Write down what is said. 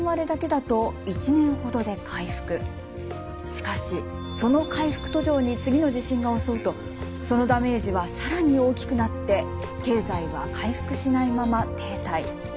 しかしその回復途上に次の地震が襲うとそのダメージは更に大きくなって経済は回復しないまま停滞。